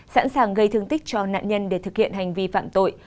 sẵn sàng gây thương tích cho nạn nhân để thực hiện hành vi phạm tội